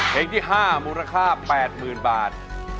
เพลงที่๕มูลค่า๘๐๐๐บาท